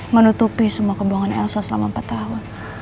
menutupi semua kembuangan elsa selama empat tahun